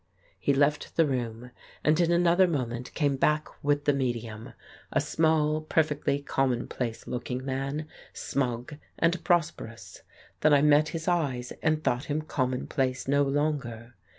He left the room, and in another moment came back with the medium, a small, perfectly common place looking man, smug and prosperous. Then I met his eyes and thought him commonplace no longer.